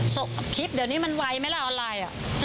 คลิปเดี๋ยวนี้มันไวไหมล่ะออนไลน์